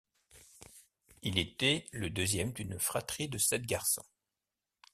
Il était le deuxième d'une fratrie de sept garçons.